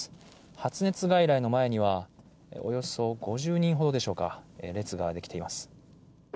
発熱外来の前にはおよそ５０人ほどでしょうか、列ができています。